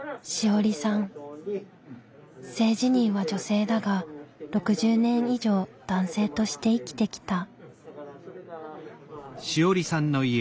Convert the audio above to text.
性自認は女性だが６０年以上男性として生きてきた。